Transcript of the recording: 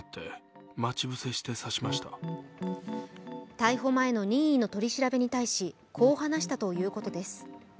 逮捕前の任意の取り調べに対し、こう話したということです。